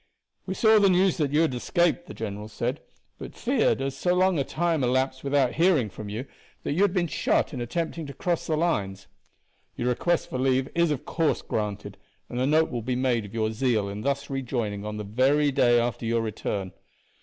"We saw the news that you had escaped," the general said, "but feared, as so long a time elapsed without hearing from you, that you had been shot in attempting to cross the lines. Your request for leave is of course granted, and a note will be made of your zeal in thus rejoining on the very day after your return.